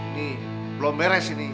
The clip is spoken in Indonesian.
nih belum merek sih nih